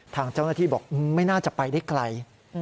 ทางเจ้าหน้าที่บอกไม่น่าจะไปได้ไกล